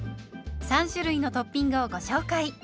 ３種類のトッピングをご紹介。